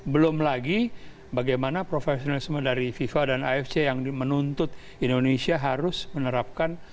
belum lagi bagaimana profesionalisme dari fifa dan afc yang menuntut indonesia harus menerapkan